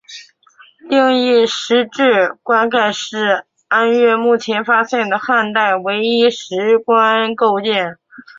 另一石质棺盖是安岳目前发现的汉代唯一石棺构件。